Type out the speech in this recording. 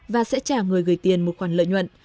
và sẽ trả người gửi tiền một khoản lợi nhuận